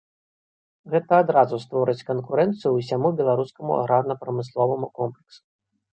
Гэта адразу створыць канкурэнцыю ўсяму беларускаму аграрна-прамысловаму комплексу.